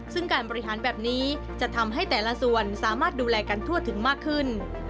ซึ่งการบริหารแบบนี้จะทำให้แต่ละส่วนสามารถดูแลกันทั่วถึงมากขึ้น